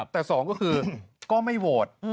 แต่สองก็คือก็ไม่โหวต